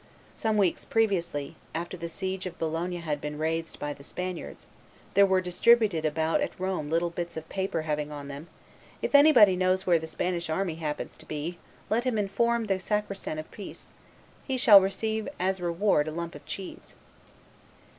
Some weeks previously, after the siege of Bologna had been raised_ by the Spaniards, there were distributed about at Rome little bits of paper having on them, "If anybody knows where the Spanish army happens to be, let him inform the sacristan of peace; he shall receive as reward a lump of cheese."